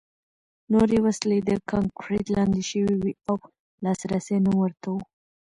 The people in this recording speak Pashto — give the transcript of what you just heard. نورې وسلې د کانکریټ لاندې شوې وې او لاسرسی نه ورته و